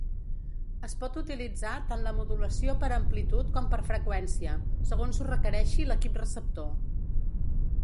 Es pot utilitzar tant la modulació per amplitud com per freqüència, segons ho requereixi l'equip receptor.